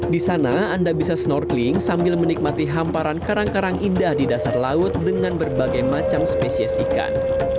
di sana anda bisa snorkeling sambil menikmati hamparan karang karang indah di dasar laut dengan berbagai macam spesies ikan